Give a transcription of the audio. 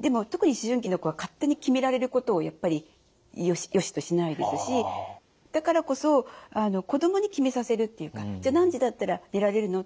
でも特に思春期の子は勝手に決められることをやっぱりよしとしないですしだからこそ子どもに決めさせるっていうか「じゃあ何時だったら出られるの？」